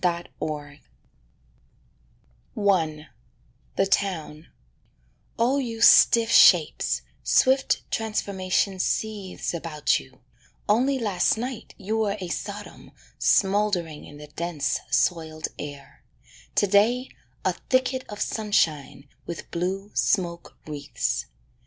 TRANSFORMATIONS I =The Town= Oh you stiff shapes, swift transformation seethes About you: only last night you were A Sodom smouldering in the dense, soiled air; To day a thicket of sunshine with blue smoke wreaths.